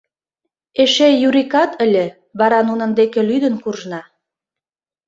Эше Юрикат ыле, вара нунын деке лӱдын куржна...